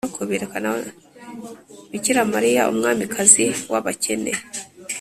bikira mariya umwamikazi w’abakene.